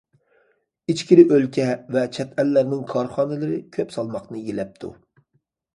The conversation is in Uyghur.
ئىچكىرى ئۆلكە ۋە چەت ئەللەرنىڭ كارخانىلىرى كۆپ سالماقنى ئىگىلەپتۇ.